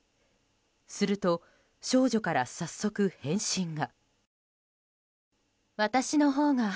すると少女から早速、返信が。